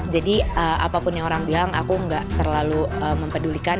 jadi apapun yang orang bilang aku gak terlalu mempedulikan